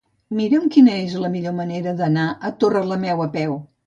Mira'm quina és la millor manera d'anar a Torrelameu a peu.